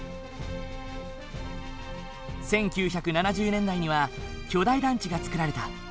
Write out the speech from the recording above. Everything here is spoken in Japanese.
１９７０年代には巨大団地が造られた。